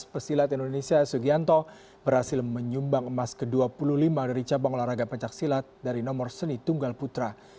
pesilat indonesia sugianto berhasil menyumbang emas ke dua puluh lima dari cabang olahraga pencaksilat dari nomor seni tunggal putra